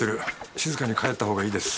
静かに帰ったほうがいいです。